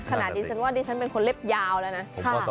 ขนาดหน้าฉะนั้นเพราะฉันเป็นคนเล็บยาวแล้วนะ